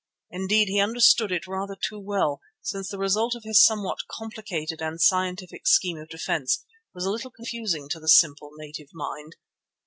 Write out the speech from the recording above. Indeed he understood it rather too well, since the result of his somewhat complicated and scientific scheme of defence was a little confusing to the simple native mind.